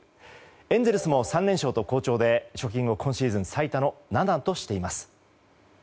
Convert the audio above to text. エンゼルスも３連勝と好調で貯金を今シーズン最多の７としています。